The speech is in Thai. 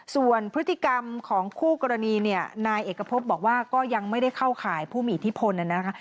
ส่วนพฤติกรรมของคู่กรณีเนี่ยนายเอกพบบอกว่าก็ยังไม่ได้เข้าข่ายผู้มีอิทธิพลนะคะ